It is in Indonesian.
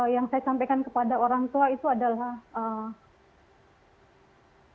yang saya sampaikan kepada orang tua itu adalah